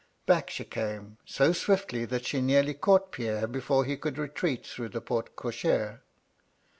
Back she came, so swiftly that die nearly caught Pierre before he could retreat through the porte cochere.